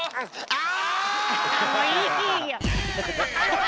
ああ！